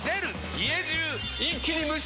家中一気に無臭化！